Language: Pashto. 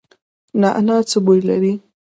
نعناع څه بوی لري؟